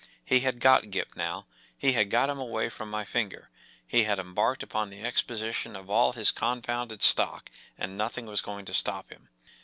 He had got Gip now : he had got him away from my finger ; he had embarked upon the exposition of all his confounded stock, and nothing was going to stop him.